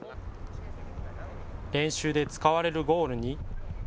練習で使われるゴールに。